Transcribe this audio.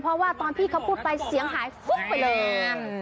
เพราะว่าตอนพี่เขาพูดไปเสียงหายฟึ๊บไปเลย